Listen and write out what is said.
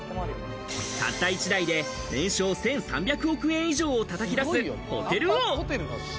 たった１代で年商１３００億円以上を叩き出すホテル王。